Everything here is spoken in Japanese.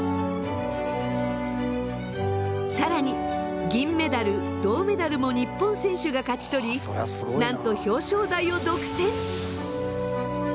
更に銀メダル銅メダルも日本選手が勝ち取りなんと表彰台を独占！